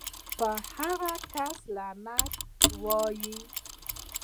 پۀ هغه کس لعنت اووائې